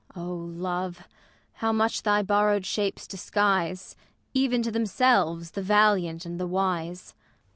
O Love ! how much thy borrowed shapes disguise, Even to themselves, the valiant and the wise